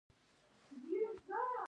شیشه هم بیا کارول کیدی شي